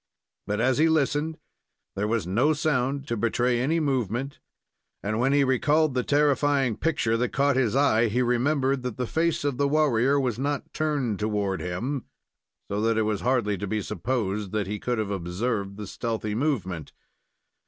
But, as he listened, there was no sound to betray any movement, and when he recalled the terrifying picture that caught his eye, he remembered that the face of the warrior was not turned toward him, so that it was hardly to be supposed that he could have observed the stealthy movement.